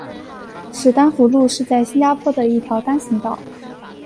史丹福路是在新加坡的一条单行道。